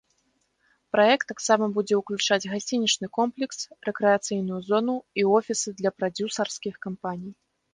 Праект таксама будзе ўключаць гасцінічны комплекс, рэкрэацыйную зону і офісы для прадзюсарскіх кампаній.